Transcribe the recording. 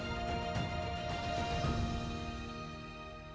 atau berbeda dengan kultur saya